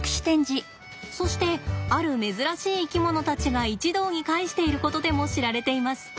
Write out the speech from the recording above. そしてある珍しい生き物たちが一堂に会していることでも知られています。